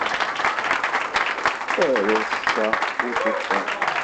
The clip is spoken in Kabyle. Ar ass-a ur tufan.